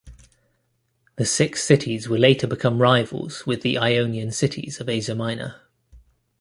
The six cities would later become rivals with the Ionian cities of Asia Minor.